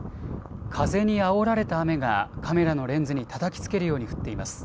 風にあおられた雨が、カメラのレンズにたたきつけるように降っています。